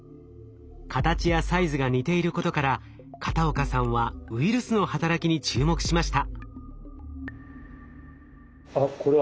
形やサイズが似ていることから片岡さんはウイルスの働きに注目しました。